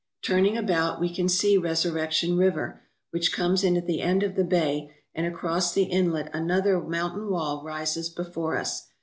Turning about, we can see Resurrection River, which comes in at the end of the bay, and across the inlet an other mountain wall rises before us.